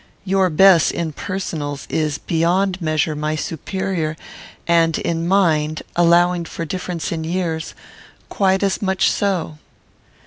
Your Bess, in personals, is, beyond measure, my superior, and in mind, allowing for difference in years, quite as much so."